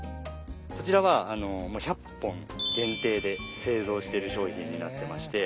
こちらは１００本限定で製造してる商品になってまして。